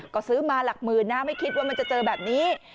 ก็ซื้อมาหลักหมื่นนะไม่คิดว่ามันจะเจอแบบนี้